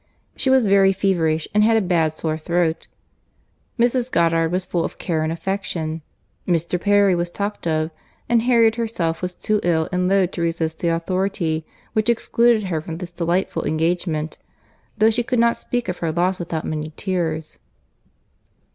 She was very feverish and had a bad sore throat: Mrs. Goddard was full of care and affection, Mr. Perry was talked of, and Harriet herself was too ill and low to resist the authority which excluded her from this delightful engagement, though she could not speak of her loss without many tears.